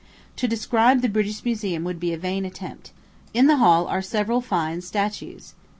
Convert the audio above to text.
To describe the British Museum would be a vain attempt. In the hall are several fine statues.